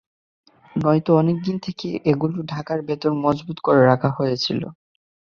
নয়তো অনেক দিন থেকেই এগুলো ঢাকার ভেতরে মজুত করে রাখা হয়েছিল।